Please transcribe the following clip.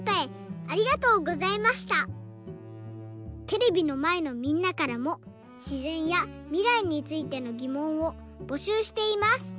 テレビのまえのみんなからもしぜんやみらいについてのぎもんをぼしゅうしています！